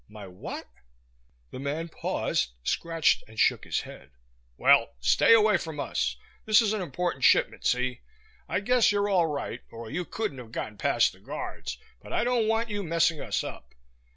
"My what?" The man paused, scratched and shook his head. "Well, stay away from us. This is an important shipment, see? I guess you're all right or you couldn't've got past the guards, but I don't want you messing us up.